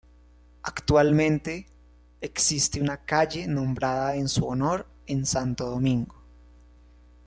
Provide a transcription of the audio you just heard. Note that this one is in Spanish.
Actualmente, existe una calle nombrada en su honor en Santo Domingo.